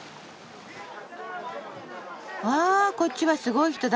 わこっちはすごい人だかり。